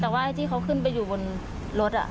แต่ว่าที่เขาขึ้นไปอยู่บนรถ